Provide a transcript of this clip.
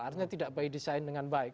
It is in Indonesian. artinya tidak by design dengan baik